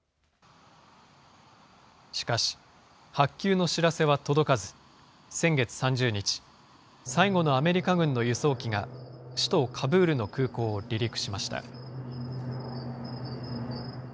しかし、発給の知らせは届かず、先月３０日、最後のアメリカ軍の輸送機が、首都カブールの空港を離陸しました。